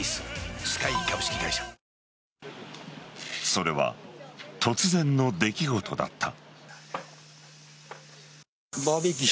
それは突然の出来事だった。